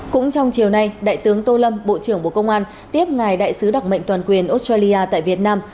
cũng trong chiều nay đại tướng tô lâm bộ trưởng bộ công an tiếp ngài đại sứ đặc mệnh toàn quyền australia tại việt nam